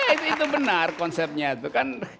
ya itu benar konsepnya itu kan